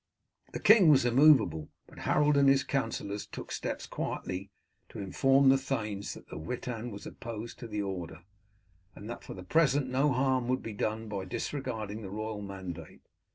The king was immovable; but Harold and his councillors took steps quietly to inform the thanes that the Witan was opposed to the order, and that for the present no harm would be done by disregarding the royal mandate.